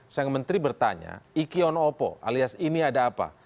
sang menteri bertanya iki onopo alias ini ada apa